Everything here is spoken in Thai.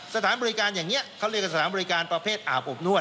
สถานบริการอย่างนี้เขาเรียกกับสถานบริการประเภทอาบอบนวด